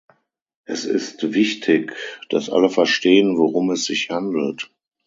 Es ist wichtig, dass alle verstehen, worum es sich handelt.